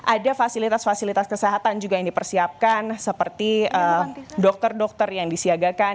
ada fasilitas fasilitas kesehatan juga yang dipersiapkan seperti dokter dokter yang disiagakan